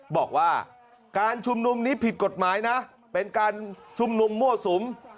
บอกว่าการชุมนุมนี้ผิดกฎหมายนะเป็นการชุมนุมมั่วสุม